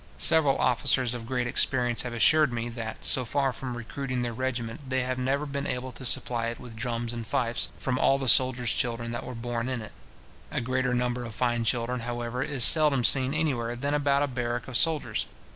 Several officers of great experience have assured me, that, so far from recruiting their regiment, they have never been able to supply it with drums and fifes, from all the soldiers' children that were born in it. A greater number of fine children, however, is seldom seen anywhere than about a barrack of soldiers.